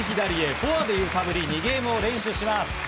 フォアで揺さぶり２ゲームを連取します。